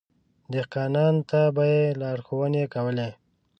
دهقانانو ته به يې لارښونې کولې.